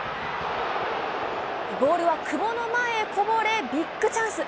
ボールは久保の前へこぼれ、ビッグチャンス。